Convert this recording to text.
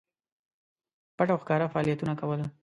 پټ او ښکاره فعالیتونه کول.